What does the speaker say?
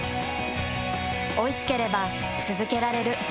おいしければつづけられる。